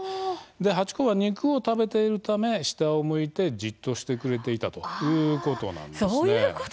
ハチ公は肉を食べているため下を向いてじっとしてくれていたということなんです。